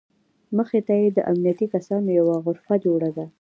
مخې ته یې د امنیتي کسانو یوه غرفه جوړه ده.